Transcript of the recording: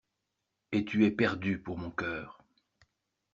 Et tu es perdu pour mon cœur.